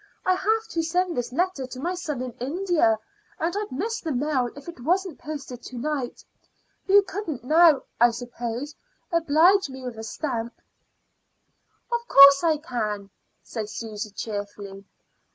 I have to send this letter to my son in India, and I'd miss the mail if it wasn't posted to night. You couldn't now, I suppose, oblige me with a stamp." "Of course I can," said Susy, cheerfully.